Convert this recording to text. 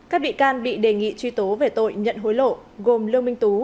các bị can bị đề nghị truy tố về tội nhận hối lộ gồm lương minh tú